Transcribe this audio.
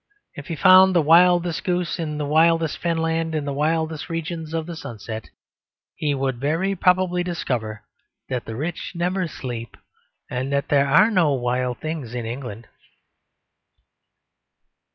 If he found the wildest goose in the wildest fenland in the wildest regions of the sunset, he would very probably discover that the rich never sleep; and that there are no wild things in England.